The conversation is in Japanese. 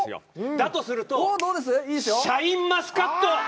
だとすると、シャインマスカット！